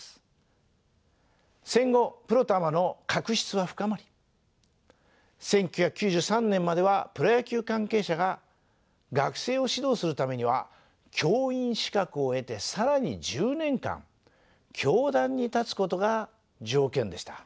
戦後プロとアマの確執は深まり１９９３年まではプロ野球関係者が学生を指導するためには教員資格を得て更に１０年間教壇に立つことが条件でした。